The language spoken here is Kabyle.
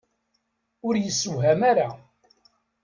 Ur yessewham ara!